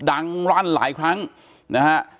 รั่นหลายครั้งนะฮะ